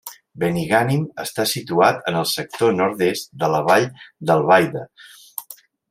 Benigànim està situat en el sector nord-est de la Vall d'Albaida.